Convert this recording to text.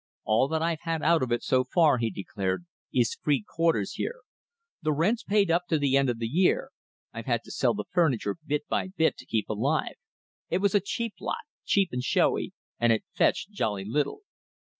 "All that I've had out of it so far," he declared, "is free quarters here. The rent's paid up to the end of the year. I've had to sell the furniture bit by bit to keep alive. It was a cheap lot, cheap and showy, and it fetched jolly little.